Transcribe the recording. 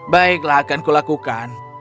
baiklah akan kulakukan